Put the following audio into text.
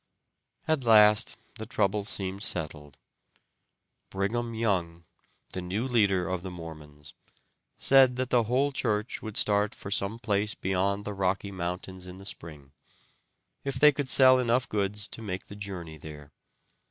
At last the trouble seemed settled. Brigham Young, the new leader of the Mormons, said that the whole church would start for some place beyond the Rocky Mountains in the spring, if they could sell enough goods to make the journey there.